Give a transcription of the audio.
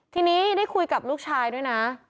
ทีนี้ได้คุยกับลูกชายด้วยนะ